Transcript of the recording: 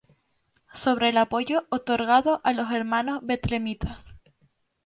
Sobre el apoyo otorgado a los hermanos betlemitas.